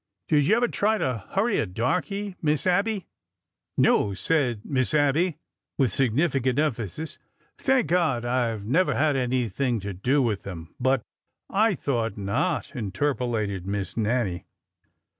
Did you ever try to hurry a darky. Miss Abby ?" No," said Miss Abby, with significant emphasis. Thank God, I 've never had anything to do with them ! But " I thought not !" interpolated Miss Nannie.